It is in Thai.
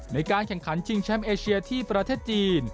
ในการแข่งขันชิงแชมป์เอเชียที่ประเทศจีน